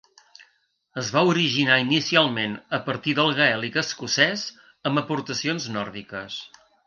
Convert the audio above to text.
Es va originar inicialment a partir del gaèlic escocès, amb aportacions nòrdiques.